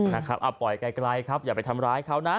นะครับเอาปล่อยไกลครับอย่าไปทำร้ายเขานะ